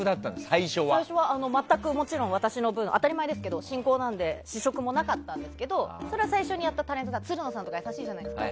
最初は全くもちろん私の分は当たり前ですけど進行なので試食もなかったんですけどそれは最初にやったタレントさんつるのさんとか優しいじゃないですか。